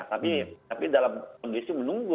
tapi dalam kondisi menunggu